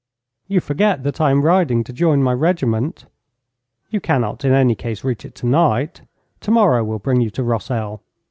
'You forget that I am riding to join my regiment.' 'You cannot, in any case, reach it tonight. Tomorrow will bring you to Rossel.